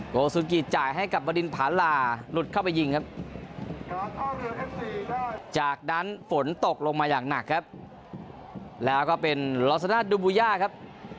โกสุกิจ่ายให้กับบดินผาลาหลุดเข้าไปยิงครับจากนั้นฝนตกลงมาอย่างหนักครับแล้วก็เป็นลอซาน่าดูบูย่าครับ